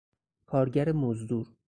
کارگر مزدور